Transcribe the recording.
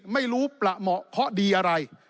ไม่รู้ประเหมาะเคาะดีอะไร